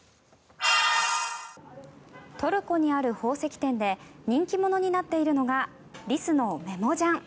トルコにある宝石店で人気者になっているのがリスのメモジャン。